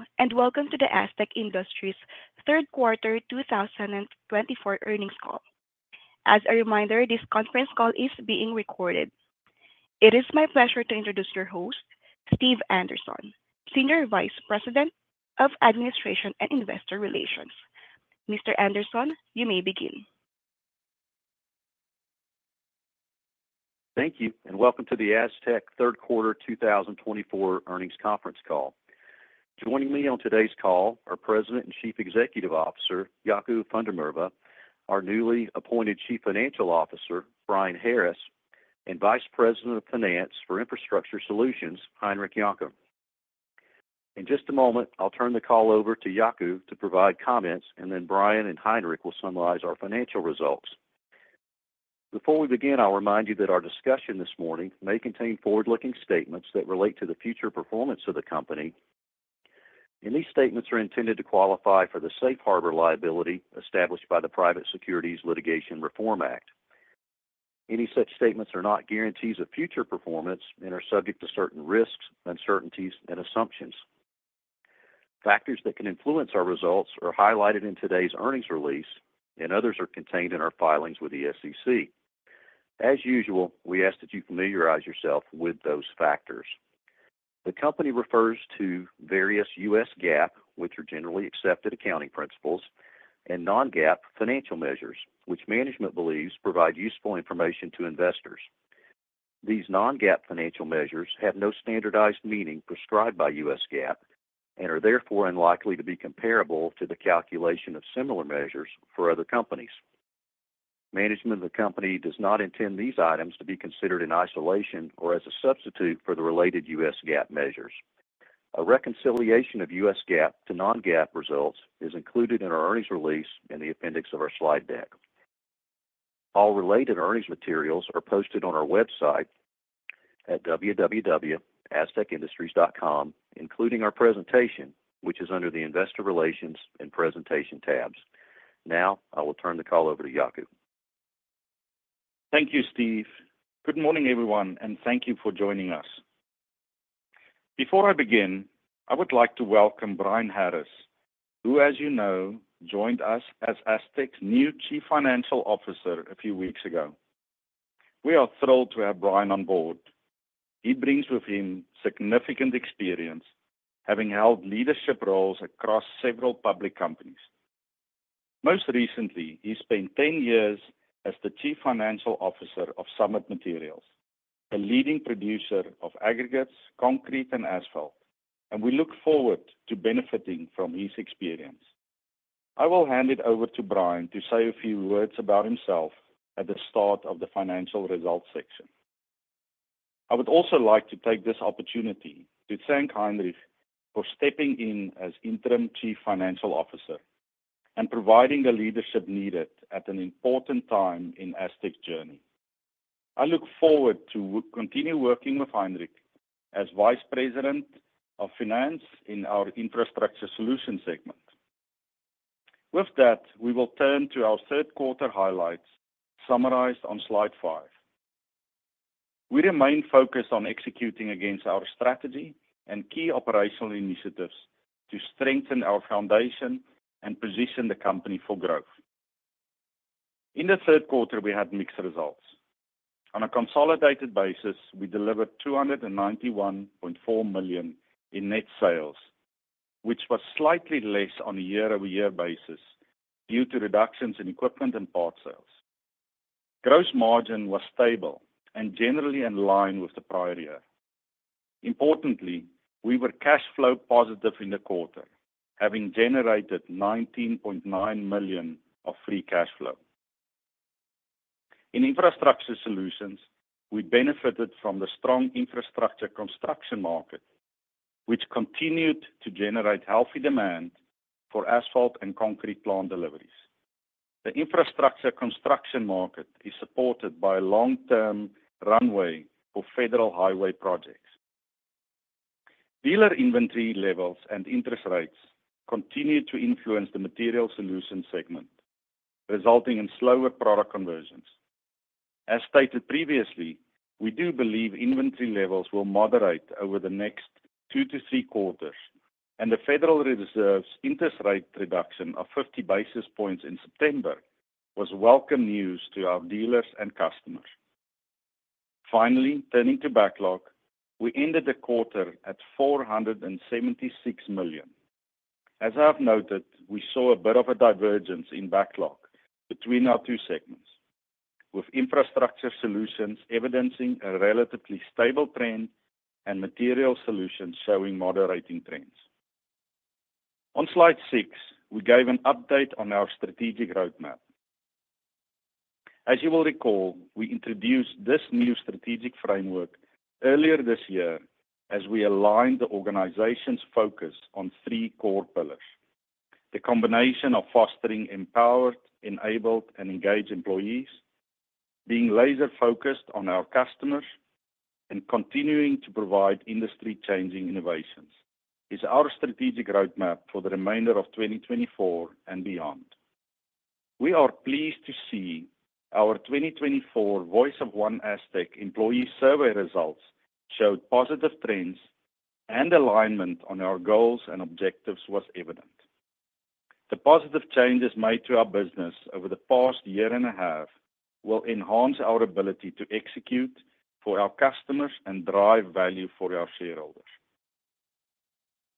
Hello, and welcome to the Astec Industries' third quarter 2024 earnings call. As a reminder, this conference call is being recorded. It is my pleasure to introduce your host, Steve Anderson, Senior Vice President of Administration and Investor Relations. Mr. Anderson, you may begin. Thank you, and welcome to the Astec third quarter 2024 earnings conference call. Joining me on today's call are President and Chief Executive Officer Jaco van der Merwe, our newly appointed Chief Financial Officer, Brian Harris, and Vice President of Finance for Infrastructure Solutions, Heinrich Jonker. In just a moment, I'll turn the call over to Jaco to provide comments, and then Brian and Heinrich will summarize our financial results. Before we begin, I'll remind you that our discussion this morning may contain forward-looking statements that relate to the future performance of the company, and these statements are intended to qualify for the safe harbor liability established by the Private Securities Litigation Reform Act. Any such statements are not guarantees of future performance and are subject to certain risks, uncertainties, and assumptions. Factors that can influence our results are highlighted in today's earnings release, and others are contained in our filings with the SEC. As usual, we ask that you familiarize yourself with those factors. The company refers to various U.S. GAAP, which are generally accepted accounting principles, and non-GAAP financial measures, which management believes provide useful information to investors. These non-GAAP financial measures have no standardized meaning prescribed by U.S. GAAP and are therefore unlikely to be comparable to the calculation of similar measures for other companies. Management of the company does not intend these items to be considered in isolation or as a substitute for the related U.S. GAAP measures. A reconciliation of U.S. GAAP to non-GAAP results is included in our earnings release in the appendix of our slide deck. All related earnings materials are posted on our website at www.astecindustries.com, including our presentation, which is under the Investor Relations and Presentation tabs. Now, I will turn the call over to Jaco. Thank you, Steve. Good morning, everyone, and thank you for joining us. Before I begin, I would like to welcome Brian Harris, who, as you know, joined us as Astec's new Chief Financial Officer a few weeks ago. We are thrilled to have Brian on board. He brings with him significant experience, having held leadership roles across several public companies. Most recently, he spent 10 years as the Chief Financial Officer of Summit Materials, a leading producer of aggregates, concrete, and asphalt, and we look forward to benefiting from his experience. I will hand it over to Brian to say a few words about himself at the start of the financial results section. I would also like to take this opportunity to thank Heinrich for stepping in as interim Chief Financial Officer and providing the leadership needed at an important time in Astec's journey. I look forward to continuing working with Heinrich as Vice President of Finance in our Infrastructure Solutions segment. With that, we will turn to our third quarter highlights summarized on slide five. We remain focused on executing against our strategy and key operational initiatives to strengthen our foundation and position the company for growth. In the third quarter, we had mixed results. On a consolidated basis, we delivered $291.4 million in net sales, which was slightly less on a year-over-year basis due to reductions in equipment and part sales. Gross margin was stable and generally in line with the prior year. Importantly, we were cash flow positive in the quarter, having generated $19.9 million of free cash flow. In Infrastructure Solutions, we benefited from the strong infrastructure construction market, which continued to generate healthy demand for asphalt and concrete plant deliveries. The infrastructure construction market is supported by a long-term runway for federal highway projects. Dealer inventory levels and interest rates continue to influence the Material Solutions segment, resulting in slower product conversions. As stated previously, we do believe inventory levels will moderate over the next two to three quarters, and the Federal Reserve's interest rate reduction of 50 basis points in September was welcome news to our dealers and customers. Finally, turning to backlog, we ended the quarter at $476 million. As I have noted, we saw a bit of a divergence in backlog between our two segments, with Infrastructure Solutions evidencing a relatively stable trend and Material Solutions showing moderating trends. On slide six, we gave an update on our strategic roadmap. As you will recall, we introduced this new strategic framework earlier this year as we aligned the organization's focus on three core pillars: the combination of fostering empowered, enabled, and engaged employees, being laser-focused on our customers, and continuing to provide industry-changing innovations is our strategic roadmap for the remainder of 2024 and beyond. We are pleased to see our 2024 Voice of One Astec employee survey results showed positive trends, and alignment on our goals and objectives was evident. The positive changes made to our business over the past year and a half will enhance our ability to execute for our customers and drive value for our shareholders.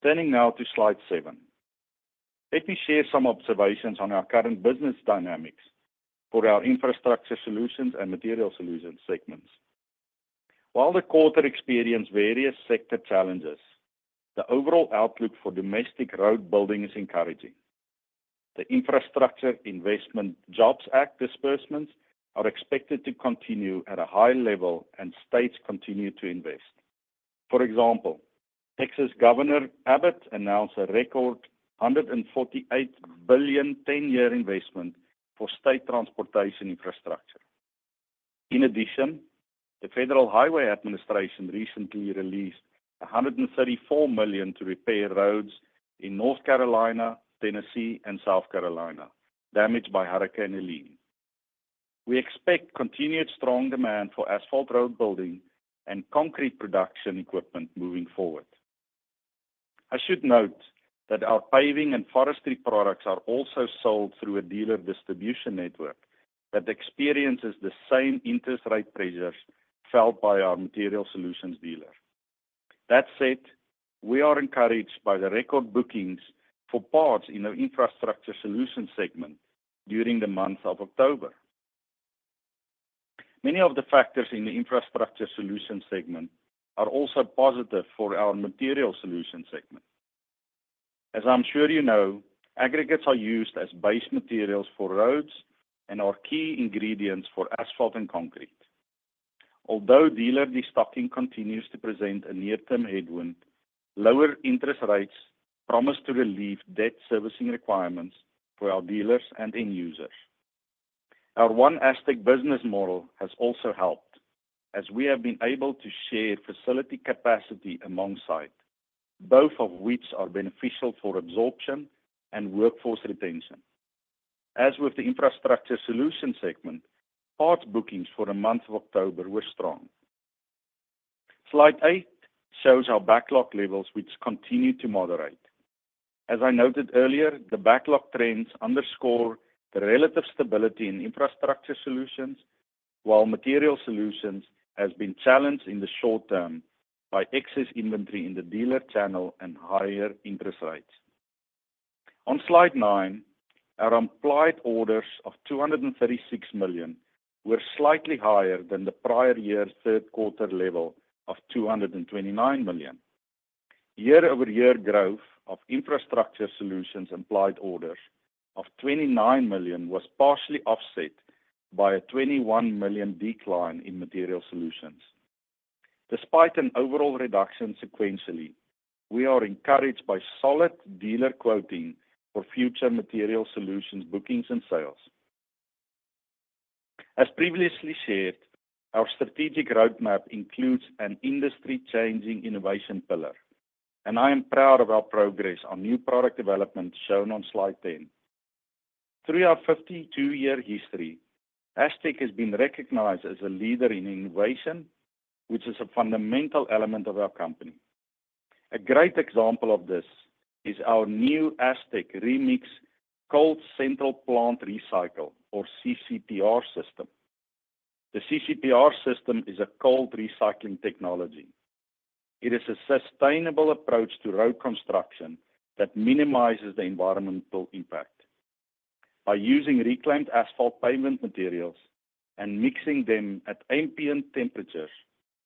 Turning now to slide seven, let me share some observations on our current business dynamics for our Infrastructure Solutions and Material Solutions segments. While the quarter experienced various sector challenges, the overall outlook for domestic road building is encouraging. The Infrastructure Investment and Jobs Act disbursements are expected to continue at a high level and states continue to invest. For example, Texas Governor Abbott announced a record $148 billion 10-year investment for state transportation infrastructure. In addition, the Federal Highway Administration recently released $134 million to repair roads in North Carolina, Tennessee, and South Carolina damaged by Hurricane Helene. We expect continued strong demand for asphalt road building and concrete production equipment moving forward. I should note that our paving and forestry products are also sold through a dealer distribution network that experiences the same interest rate pressures felt by our Material Solutions dealer. That said, we are encouraged by the record bookings for parts in the Infrastructure Solutions segment during the month of October. Many of the factors in the Infrastructure Solutions segment are also positive for our Material Solutions segment. As I'm sure you know, aggregates are used as base materials for roads and are key ingredients for asphalt and concrete. Although dealer destocking continues to present a near-term headwind, lower interest rates promise to relieve debt servicing requirements for our dealers and end users. Our One Astec business model has also helped, as we have been able to share facility capacity among sites, both of which are beneficial for absorption and workforce retention. As with the Infrastructure Solutions segment, parts bookings for the month of October were strong. Slide eight shows our backlog levels, which continue to moderate. As I noted earlier, the backlog trends underscore the relative stability in Infrastructure Solutions, while Material Solutions has been challenged in the short term by excess inventory in the dealer channel and higher interest rates. On slide nine, our implied orders of $236 million were slightly higher than the prior year's third quarter level of $229 million. Year-over-year growth of Infrastructure Solutions implied orders of $29 million was partially offset by a $21 million decline in Material Solutions. Despite an overall reduction sequentially, we are encouraged by solid dealer quoting for future Material Solutions bookings and sales. As previously shared, our strategic roadmap includes an industry-changing innovation pillar, and I am proud of our progress on new product development shown on slide 10. Through our 52-year history, Astec has been recognized as a leader in innovation, which is a fundamental element of our company. A great example of this is our new Astec ReMix Cold Central Plant Recycling, or CCPR system. The CCPR system is a cold recycling technology. It is a sustainable approach to road construction that minimizes the environmental impact. By using reclaimed asphalt pavement materials and mixing them at ambient temperatures,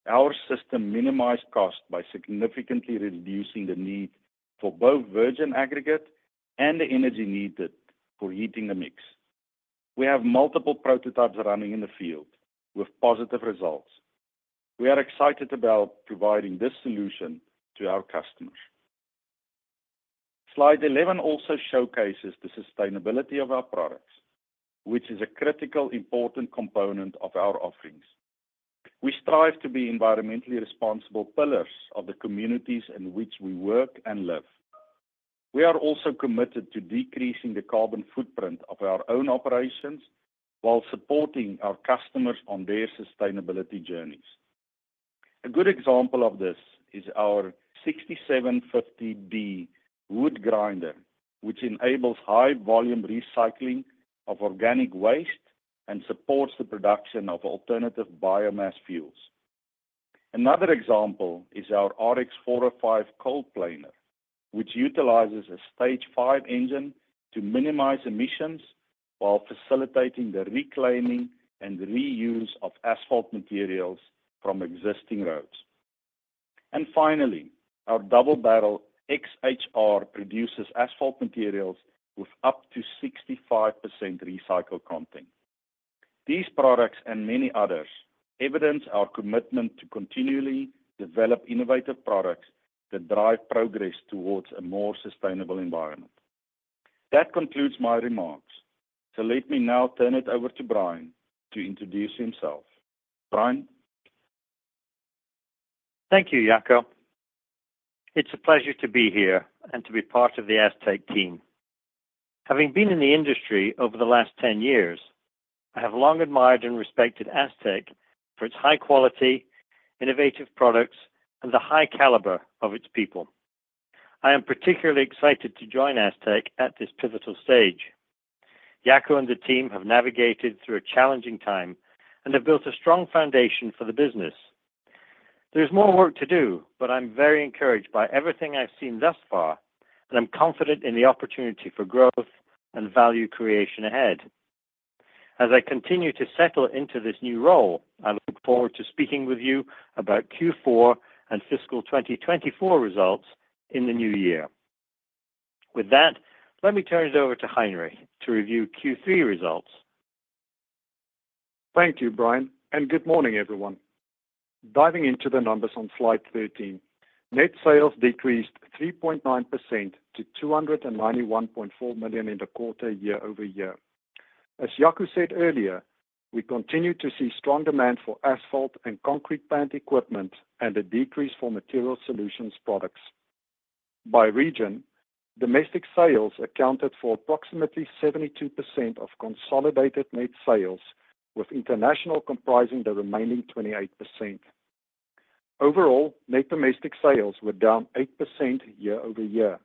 our system minimized costs by significantly reducing the need for both virgin aggregate and the energy needed for heating the mix. We have multiple prototypes running in the field with positive results. We are excited about providing this solution to our customers. Slide 11 also showcases the sustainability of our products, which is a critical important component of our offerings. We strive to be environmentally responsible pillars of the communities in which we work and live. We are also committed to decreasing the carbon footprint of our own operations while supporting our customers on their sustainability journeys. A good example of this is our 6750B wood grinder, which enables high-volume recycling of organic waste and supports the production of alternative biomass fuels. Another example is our RX-405 Cold Planer, which utilizes a Stage V engine to minimize emissions while facilitating the reclaiming and reuse of asphalt materials from existing roads, and finally, our Double Barrel XHR produces asphalt materials with up to 65% recycled content. These products and many others evidence our commitment to continually develop innovative products that drive progress towards a more sustainable environment. That concludes my remarks, so let me now turn it over to Brian to introduce himself. Brian. Thank you, Jaco. It's a pleasure to be here and to be part of the Astec team. Having been in the industry over the last 10 years, I have long admired and respected Astec for its high-quality, innovative products and the high caliber of its people. I am particularly excited to join Astec at this pivotal stage. Jaco and the team have navigated through a challenging time and have built a strong foundation for the business. There's more work to do, but I'm very encouraged by everything I've seen thus far, and I'm confident in the opportunity for growth and value creation ahead. As I continue to settle into this new role, I look forward to speaking with you about Q4 and fiscal 2024 results in the new year. With that, let me turn it over to Heinrich to review Q3 results. Thank you, Brian, and good morning, everyone. Diving into the numbers on slide 13, net sales decreased 3.9% to $291.4 million in the quarter year-over-year. As Jaco said earlier, we continue to see strong demand for asphalt and concrete plant equipment and a decrease for Material Solutions products. By region, domestic sales accounted for approximately 72% of consolidated net sales, with international comprising the remaining 28%. Overall, net domestic sales were down 8% year-over-year,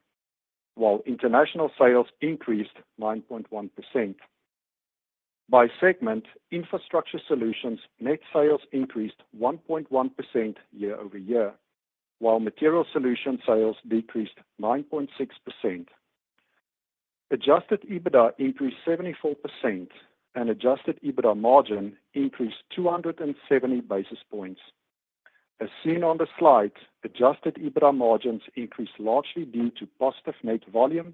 while international sales increased 9.1%. By segment, Infrastructure Solutions net sales increased 1.1% year-over-year, while Material Solutions sales decreased 9.6%. Adjusted EBITDA increased 74%, and adjusted EBITDA margin increased 270 basis points. As seen on the slide, adjusted EBITDA margins increased largely due to positive net volume,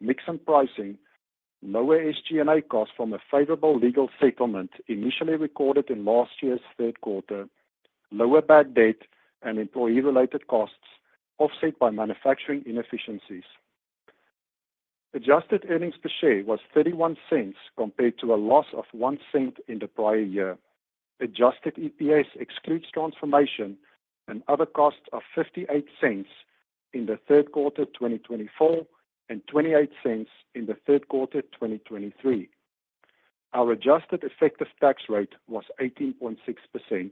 mixed pricing, lower SG&A costs from a favorable legal settlement initially recorded in last year's third quarter, lower bad debt, and employee-related costs offset by manufacturing inefficiencies. Adjusted earnings per share was $0.31 compared to a loss of $0.01 in the prior year. Adjusted EPS excludes transformation and other costs of $0.58 in the third quarter 2024 and $0.28 in the third quarter 2023. Our adjusted effective tax rate was 18.6%.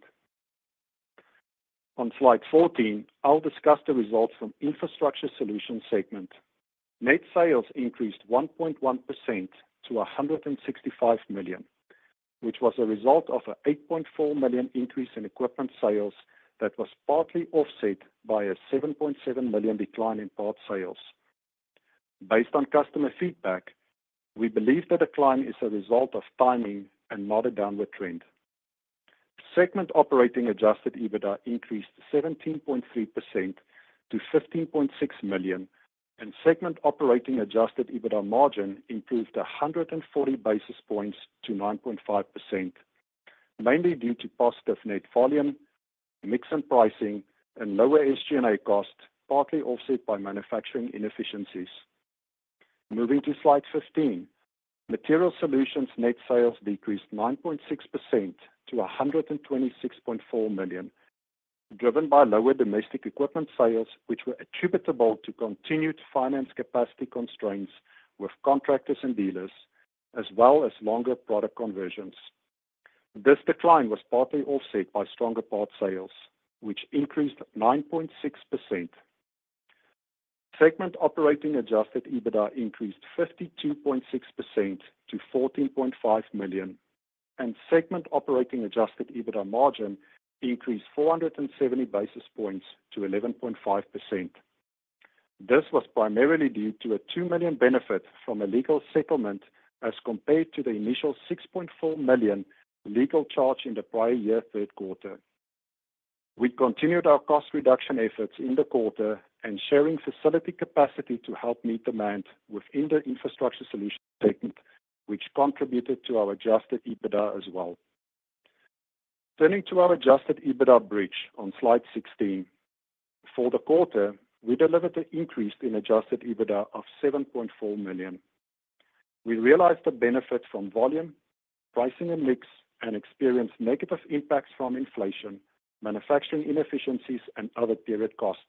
On slide 14, I'll discuss the results from Infrastructure Solutions segment. Net sales increased 1.1% to $165 million, which was a result of an $8.4 million increase in equipment sales that was partly offset by a $7.7 million decline in parts sales. Based on customer feedback, we believe that decline is a result of timing and not a downward trend. Segment operating adjusted EBITDA increased 17.3% to $15.6 million, and segment operating adjusted EBITDA margin improved 140 basis points to 9.5%, mainly due to positive net volume, mixed pricing, and lower SG&A costs partly offset by manufacturing inefficiencies. Moving to slide 15, Material Solutions net sales decreased 9.6% to $126.4 million, driven by lower domestic equipment sales, which were attributable to continued finance capacity constraints with contractors and dealers, as well as longer product conversions. This decline was partly offset by stronger parts sales, which increased 9.6%. Segment operating adjusted EBITDA increased 52.6% to $14.5 million, and segment operating adjusted EBITDA margin increased 470 basis points to 11.5%. This was primarily due to a $2 million benefit from a legal settlement as compared to the initial $6.4 million legal charge in the prior year third quarter. We continued our cost reduction efforts in the quarter and sharing facility capacity to help meet demand within the Infrastructure Solutions segment, which contributed to our adjusted EBITDA as well. Turning to our adjusted EBITDA bridge on slide 16, for the quarter, we delivered an increase in adjusted EBITDA of $7.4 million. We realized the benefit from volume, pricing and mix, and experienced negative impacts from inflation, manufacturing inefficiencies, and other period costs.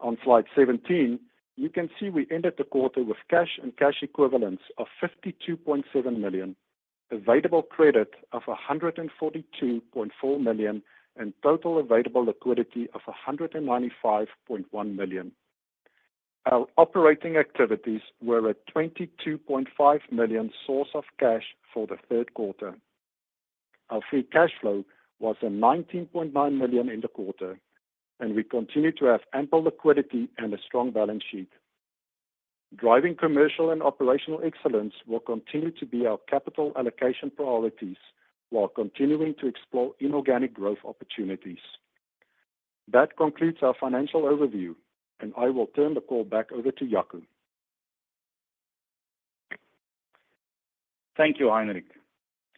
On slide 17, you can see we ended the quarter with cash and cash equivalents of $52.7 million, available credit of $142.4 million, and total available liquidity of $195.1 million. Our operating activities were at $22.5 million source of cash for the third quarter. Our free cash flow was $19.9 million in the quarter, and we continue to have ample liquidity and a strong balance sheet. Driving commercial and operational excellence will continue to be our capital allocation priorities while continuing to explore inorganic growth opportunities. That concludes our financial overview, and I will turn the call back over to Jaco. Thank you, Heinrich.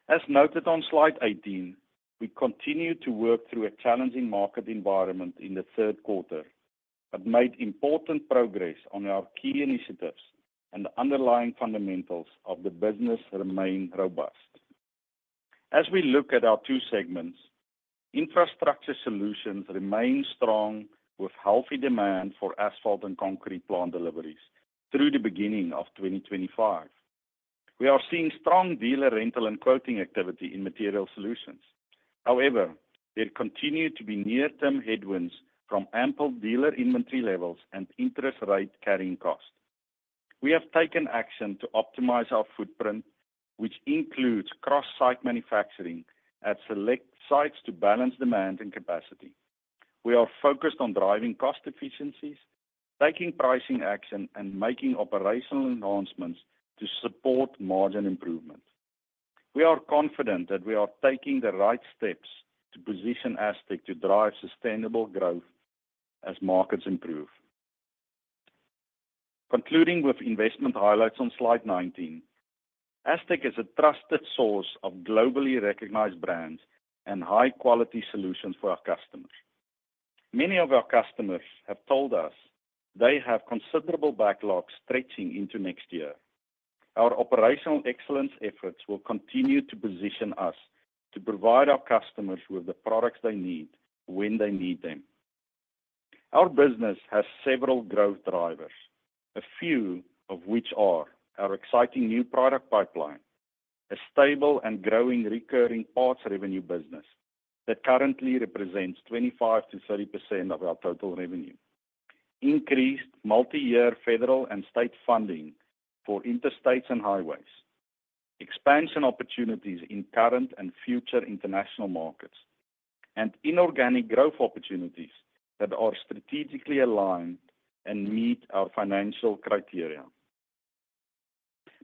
As noted on slide 18, we continued to work through a challenging market environment in the third quarter, but made important progress on our key initiatives and the underlying fundamentals of the business remain robust. As we look at our two segments, Infrastructure Solutions remains strong with healthy demand for asphalt and concrete plant deliveries through the beginning of 2025. We are seeing strong dealer rental and quoting activity in Material Solutions. However, there continue to be near-term headwinds from ample dealer inventory levels and interest rate carrying costs. We have taken action to optimize our footprint, which includes cross-site manufacturing at select sites to balance demand and capacity. We are focused on driving cost efficiencies, taking pricing action, and making operational enhancements to support margin improvement. We are confident that we are taking the right steps to position Astec to drive sustainable growth as markets improve. Concluding with investment highlights on slide 19, Astec is a trusted source of globally recognized brands and high-quality solutions for our customers. Many of our customers have told us they have considerable backlogs stretching into next year. Our operational excellence efforts will continue to position us to provide our customers with the products they need when they need them. Our business has several growth drivers, a few of which are our exciting new product pipeline, a stable and growing recurring parts revenue business that currently represents 25%-30% of our total revenue, increased multi-year federal and state funding for interstates and highways, expansion opportunities in current and future international markets, and inorganic growth opportunities that are strategically aligned and meet our financial criteria.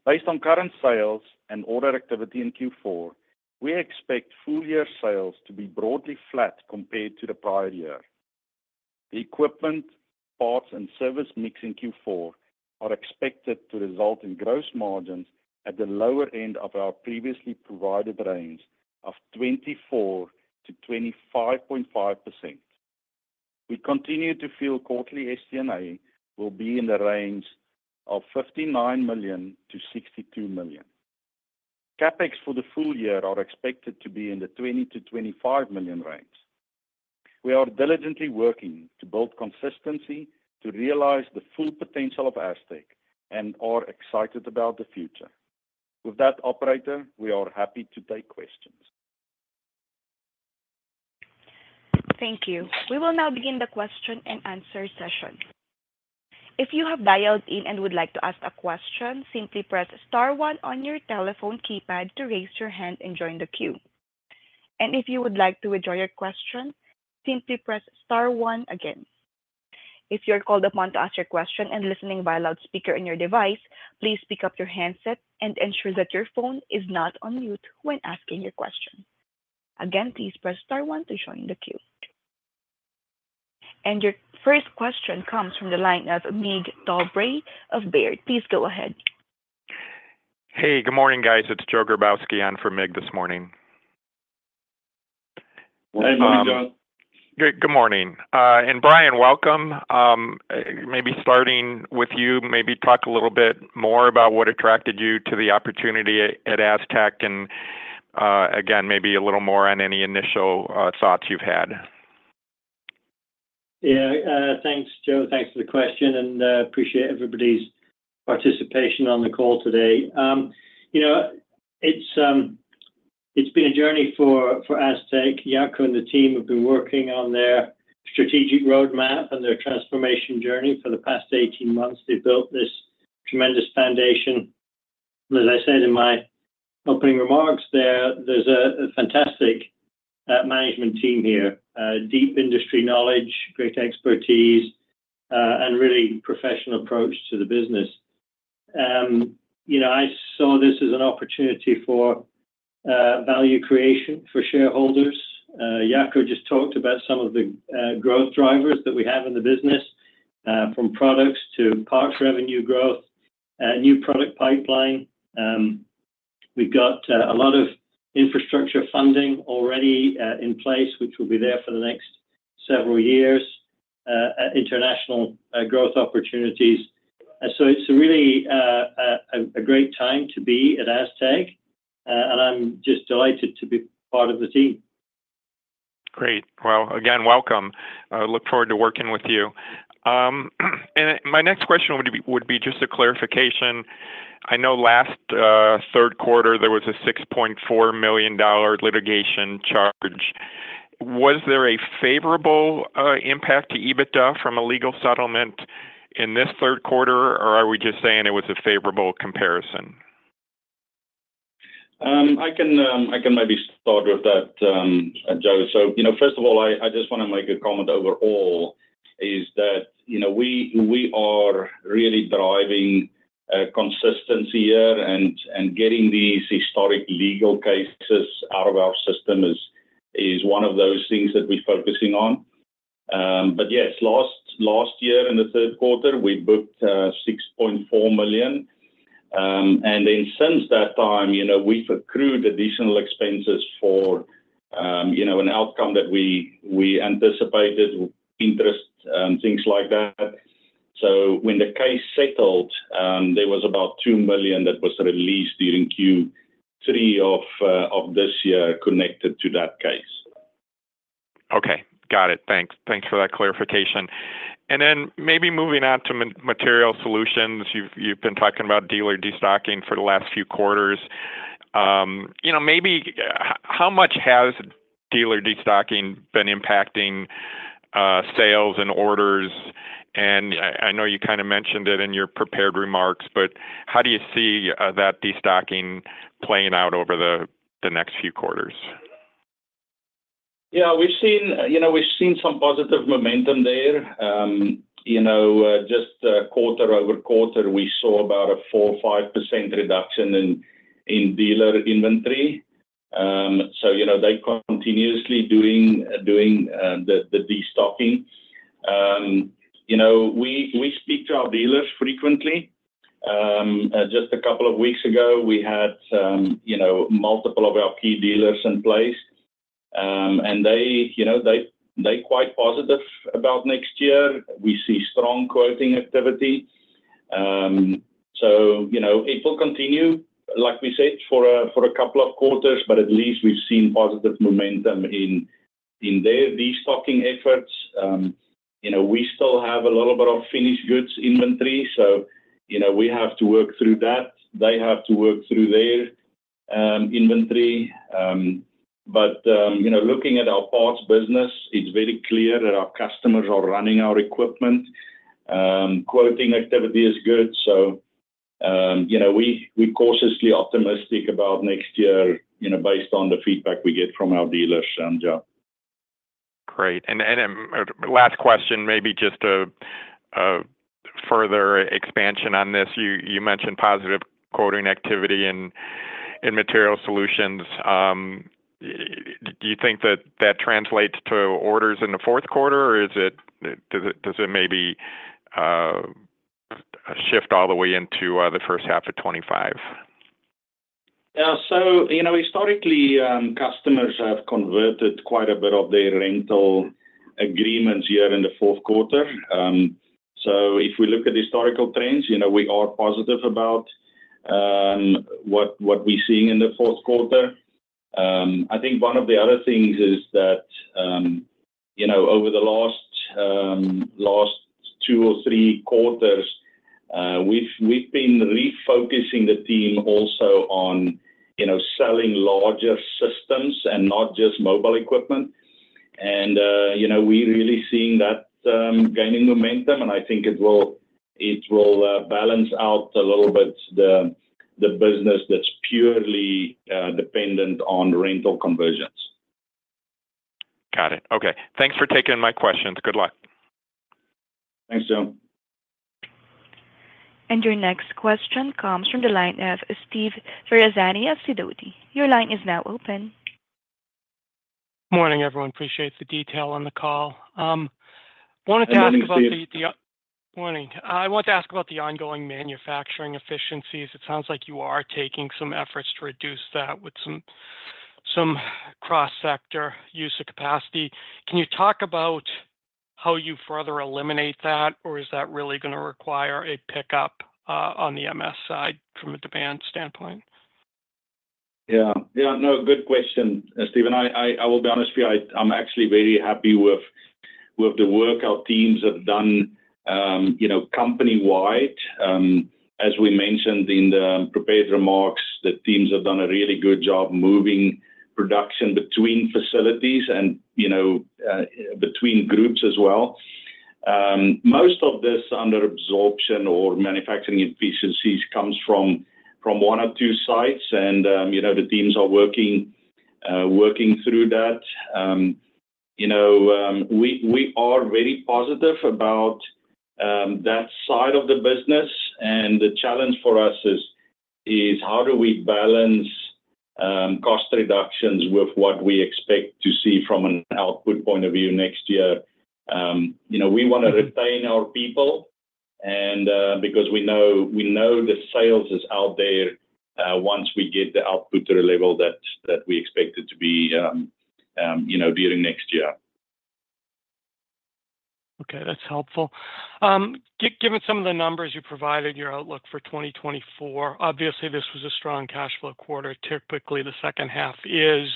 Based on current sales and order activity in Q4, we expect full year sales to be broadly flat compared to the prior year. The equipment, parts, and service mix in Q4 are expected to result in gross margins at the lower end of our previously provided range of 24%-25.5%. We continue to feel quarterly SG&A will be in the range of $59 million-$62 million. CapEx for the full year are expected to be in the $20 million-$25 million range. We are diligently working to build consistency to realize the full potential of Astec and are excited about the future. With that, operator, we are happy to take questions. Thank you. We will now begin the question and answer session. If you have dialed in and would like to ask a question, simply press star one on your telephone keypad to raise your hand and join the queue. And if you would like to withdraw your question, simply press star one again. If you're called upon to ask your question and listening via loudspeaker on your device, please pick up your handset and ensure that your phone is not on mute when asking your question. Again, please press star one to join the queue. And your first question comes from the line of Mig Dobre of Baird. Please go ahead. Hey, good morning, guys. It's Joe Grabowski on for Mig this morning. Hey, Joe. Good morning. And Brian, welcome. Maybe starting with you, maybe talk a little bit more about what attracted you to the opportunity at Astec and, again, maybe a little more on any initial thoughts you've had. Yeah, thanks, Joe. Thanks for the question, and I appreciate everybody's participation on the call today. It's been a journey for Astec. Jaco and the team have been working on their strategic roadmap and their transformation journey for the past 18 months. They've built this tremendous foundation. As I said in my opening remarks, there's a fantastic management team here, deep industry knowledge, great expertise, and really professional approach to the business. I saw this as an opportunity for value creation for shareholders. Jaco just talked about some of the growth drivers that we have in the business, from products to parts revenue growth, new product pipeline. We've got a lot of infrastructure funding already in place, which will be there for the next several years, international growth opportunities. So it's really a great time to be at Astec, and I'm just delighted to be part of the team. Great. Well, again, welcome. I look forward to working with you. And my next question would be just a clarification. I know last third quarter, there was a $6.4 million litigation charge. Was there a favorable impact to EBITDA from a legal settlement in this third quarter, or are we just saying it was a favorable comparison? I can maybe start with that, Joe. So first of all, I just want to make a comment overall is that we are really driving consistency here and getting these historic legal cases out of our system is one of those things that we're focusing on. But yes, last year in the third quarter, we booked $6.4 million. And then since that time, we've accrued additional expenses for an outcome that we anticipated, interest, things like that. So when the case settled, there was about $2 million that was released during Q3 of this year connected to that case. Okay. Got it. Thanks. Thanks for that clarification. And then maybe moving on to Material Solutions, you've been talking about dealer destocking for the last few quarters. Maybe how much has dealer destocking been impacting sales and orders? And I know you kind of mentioned it in your prepared remarks, but how do you see that destocking playing out over the next few quarters? Yeah, we've seen some positive momentum there. Just quarter over quarter, we saw about a 4%, 5% reduction in dealer inventory. So they're continuously doing the destocking. We speak to our dealers frequently. Just a couple of weeks ago, we had multiple of our key dealers in place, and they're quite positive about next year. We see strong quoting activity. So it will continue, like we said, for a couple of quarters, but at least we've seen positive momentum in their destocking efforts. We still have a little bit of finished goods inventory, so we have to work through that. They have to work through their inventory. But looking at our parts business, it's very clear that our customers are running our equipment. Quoting activity is good. So we're cautiously optimistic about next year based on the feedback we get from our dealers, Joe. Great. And last question, maybe just a further expansion on this. You mentioned positive quoting activity in Material Solutions. Do you think that that translates to orders in the fourth quarter, or does it maybe shift all the way into the first half of 2025? Yeah. So historically, customers have converted quite a bit of their rental agreements here in the fourth quarter. So if we look at historical trends, we are positive about what we're seeing in the fourth quarter. I think one of the other things is that over the last two or three quarters, we've been refocusing the team also on selling larger systems and not just mobile equipment. And we're really seeing that gaining momentum, and I think it will balance out a little bit the business that's purely dependent on rental conversions. Got it. Okay. Thanks for taking my questions. Good luck. Thanks, Joe. Your next question comes from the line of Steve Ferazani of Sidoti. Your line is now open. Morning, everyone. Appreciate the detail on the call. Wanted to ask about the. Good morning. Morning. I wanted to ask about the ongoing manufacturing efficiencies. It sounds like you are taking some efforts to reduce that with some cross-sector use of capacity. Can you talk about how you further eliminate that, or is that really going to require a pickup on the MS side from a demand standpoint? Yeah. Yeah. No, good question, Steve. I will be honest with you. I'm actually very happy with the work our teams have done company-wide. As we mentioned in the prepared remarks, the teams have done a really good job moving production between facilities and between groups as well. Most of this under absorption or manufacturing efficiencies comes from one or two sites, and the teams are working through that. We are very positive about that side of the business, and the challenge for us is how do we balance cost reductions with what we expect to see from an output point of view next year. We want to retain our people because we know the sales is out there once we get the output to the level that we expect it to be during next year. Okay. That's helpful. Given some of the numbers you provided in your outlook for 2024, obviously, this was a strong cash flow quarter. Typically, the second half is,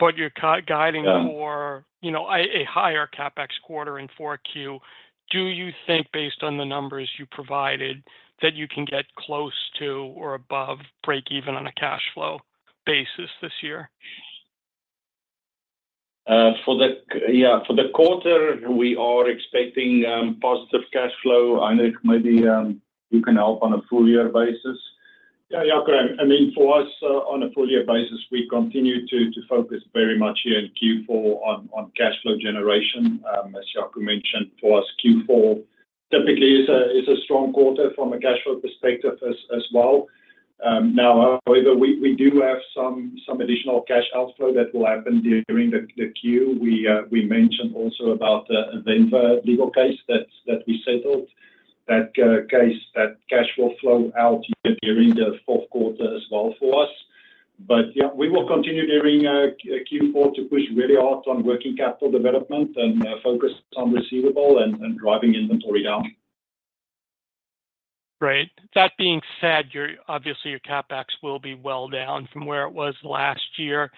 but you're guiding for a higher CapEx quarter in Q4. Do you think, based on the numbers you provided, that you can get close to or above break-even on a cash flow basis this year? Yeah. For the quarter, we are expecting positive cash flow. I think maybe you can help on a full-year basis. Yeah, Jaco. I mean, for us, on a full-year basis, we continue to focus very much here in Q4 on cash flow generation. As Jaco mentioned, for us, Q4 typically is a strong quarter from a cash flow perspective as well. Now, however, we do have some additional cash outflow that will happen during the Q. We mentioned also about the Venture legal case that we settled, that case that cash will flow out during the fourth quarter as well for us. But yeah, we will continue during Q4 to push really hard on working capital development and focus on receivables and driving inventory down. Great. That being said, obviously, your CapEx will be well down from where it was last year.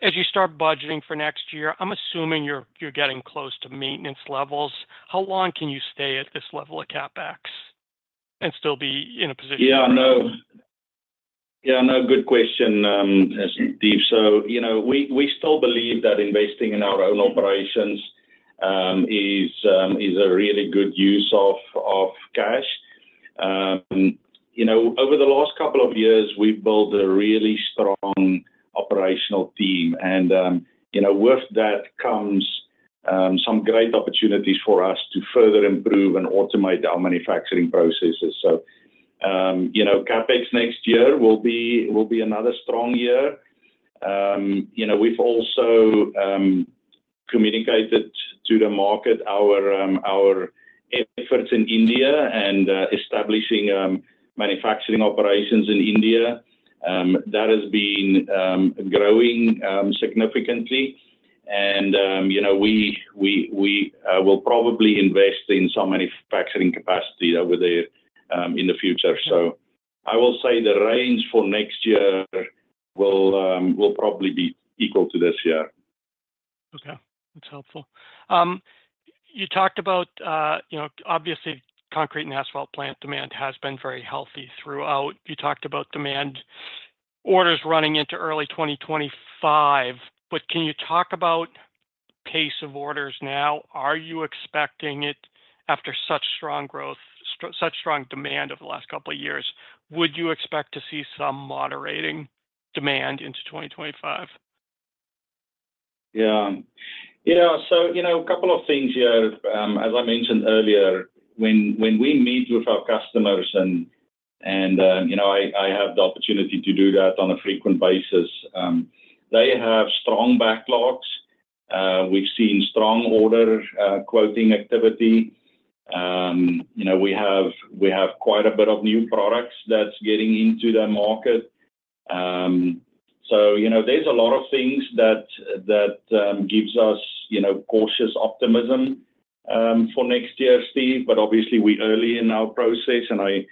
As you start budgeting for next year, I'm assuming you're getting close to maintenance levels. How long can you stay at this level of CapEx and still be in a position? Yeah. No. Yeah, no. Good question, Steve. So we still believe that investing in our own operations is a really good use of cash. Over the last couple of years, we've built a really strong operational team, and with that comes some great opportunities for us to further improve and automate our manufacturing processes. So CapEx next year will be another strong year. We've also communicated to the market our efforts in India and establishing manufacturing operations in India. That has been growing significantly, and we will probably invest in some manufacturing capacity over there in the future. So I will say the range for next year will probably be equal to this year. Okay. That's helpful. You talked about, obviously, concrete and asphalt plant demand has been very healthy throughout. You talked about demand orders running into early 2025, but can you talk about pace of orders now? Are you expecting it after such strong growth, such strong demand over the last couple of years, would you expect to see some moderating demand into 2025? Yeah. So a couple of things here. As I mentioned earlier, when we meet with our customers, and I have the opportunity to do that on a frequent basis, they have strong backlogs. We've seen strong order quoting activity. We have quite a bit of new products that's getting into the market. So there's a lot of things that gives us cautious optimism for next year, Steve, but obviously, we're early in our process, and I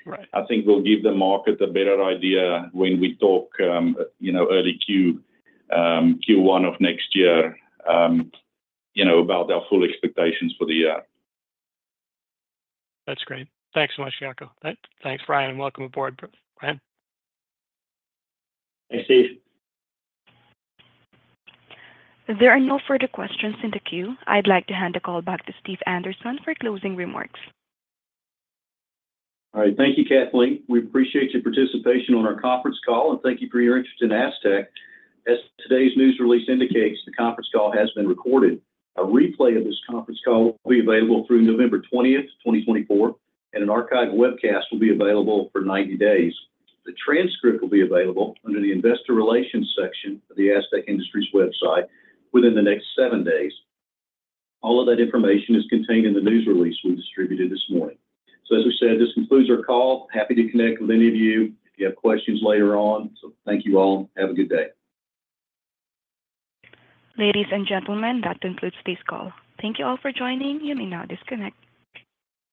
think we'll give the market a better idea when we talk early Q1 of next year about our full expectations for the year. That's great. Thanks so much, Jaco. Thanks, Brian, and welcome aboard, Brian. Thanks, Steve. If there are no further questions in the queue, I'd like to hand the call back to Steve Anderson for closing remarks. All right. Thank you, Kathleen. We appreciate your participation on our conference call, and thank you for your interest in Astec. As today's news release indicates, the conference call has been recorded. A replay of this conference call will be available through November 20th, 2024, and an archived webcast will be available for 90 days. The transcript will be available under the Investor Relations section of the Astec Industries website within the next seven days. All of that information is contained in the news release we distributed this morning. So as we said, this concludes our call. Happy to connect with any of you if you have questions later on. So thank you all. Have a good day. Ladies and gentlemen, that concludes this call. Thank you all for joining. You may now disconnect.